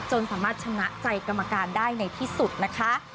สามารถชนะใจกรรมการได้ในที่สุดนะคะ